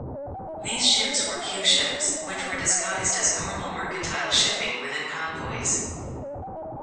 These ships were Q-ships, which were disguised as normal mercantile shipping within convoys.